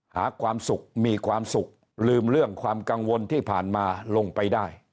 หาความสุขมีความสุขลืมเรื่องความกังวลที่ผ่านมาลงไปได้